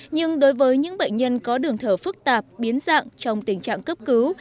nhưng đối với những bệnh nhân có đường thở phức tạp biến dạng trong tình trạng cấp cứu